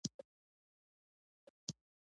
اقتصاد به د میوو په مټ وده وکړي.